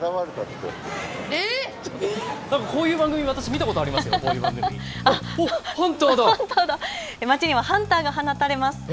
こういう番組、私見たことありますよ。